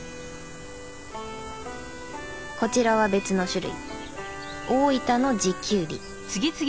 こちらは別の種類。